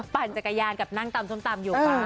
ปั่นจักรยานกับนั่งตำส้มตำอยู่